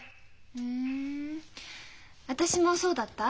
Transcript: ふん私もそうだった？